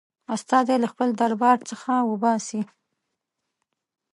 استازی له خپل دربار څخه وباسي.